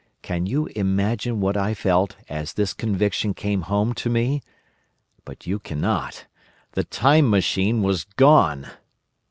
Can you imagine what I felt as this conviction came home to me? But you cannot. The Time Machine was gone!